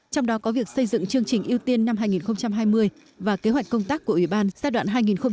trong đó có việc xây dựng chương trình ưu tiên năm hai nghìn hai mươi và kế hoạch công tác của ủy ban giai đoạn hai nghìn hai mươi một hai nghìn hai mươi năm